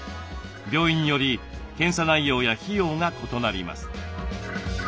病院により検査内容や費用が異なります。